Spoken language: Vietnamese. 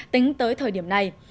tính tới thời điểm này